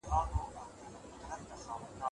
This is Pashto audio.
که عاید لوړ سي د خلګو ژوند به بدلون وکړي.